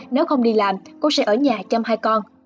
nếu không đi làm cô sẽ ở nhà chăm hai con